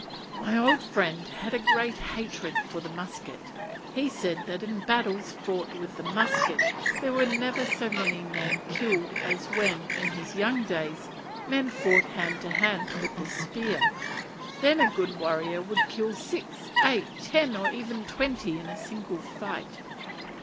My old friend had a great hatred for the musket. He said that in battles fought with the musket there were never so many men killed as when, in his young days, men fought hand to hand with the spear: then a good warrior would kill six, eight, ten, or even twenty men in a single fight.